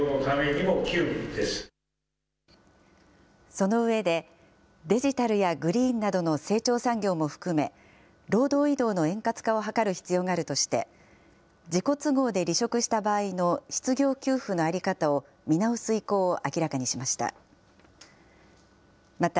その上で、デジタルやグリーンなどの成長産業も含め、労働移動の円滑化を図る必要があるとして、自己都合で離職した場合の失業給付の在り方を見直す意向を明らかにしました。